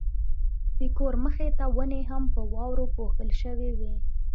د کور مخې ته ونې هم په واورو پوښل شوې وې.